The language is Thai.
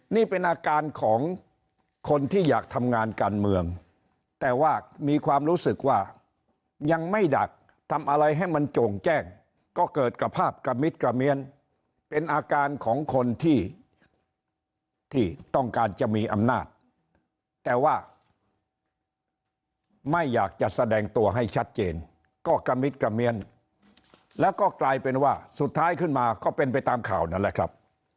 นี่เป็นอาการของคนที่อยากทำงานการเมืองแต่ว่ามีความรู้สึกว่ายังไม่ดักทำอะไรให้มันโจ่งแจ้งก็เกิดกระภาพกระมิดกระเมียนเป็นอาการของคนที่ที่ต้องการจะมีอำนาจแต่ว่าไม่อยากจะแสดงตัวให้ชัดเจนก็กระมิดกระเมียนแล้วก็กลายเป็นว่าสุดท้ายขึ้นมาก็เป็นไปตามข่าวนั่นแหละครับ